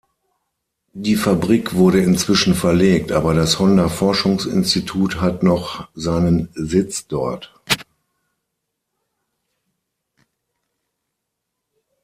Die Fabrik wurde inzwischen verlegt, aber das Honda-Forschungsinstitut hat noch seinen Sitz dort.